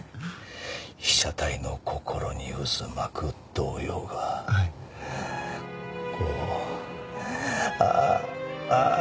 被写体の心に渦巻く動揺がこうああっ！